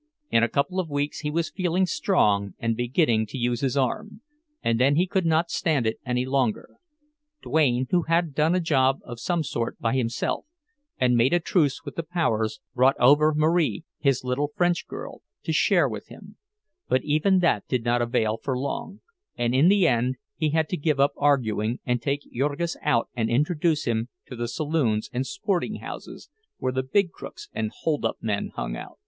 In a couple of weeks he was feeling strong and beginning to use his arm, and then he could not stand it any longer. Duane, who had done a job of some sort by himself, and made a truce with the powers, brought over Marie, his little French girl, to share with him; but even that did not avail for long, and in the end he had to give up arguing, and take Jurgis out and introduce him to the saloons and "sporting houses" where the big crooks and "holdup men" hung out.